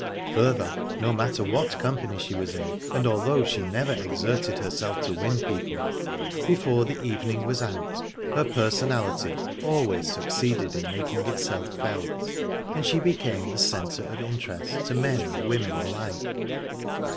Further, no matter what company she was in, and although she never exerted herself to win people, before the evening was out her personality always succeeded in making itself felt, and she became the centre of interest to men and women alike.